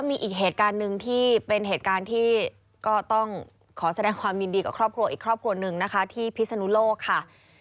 มีอีกเหตุการณ์หนึ่งที่เป็นเหตุการณ์ที่ก็ต้องขอแสดงความยินดีกับครอบครัวอีกครอบครัวหนึ่งนะคะที่พิศนุโลกค่ะ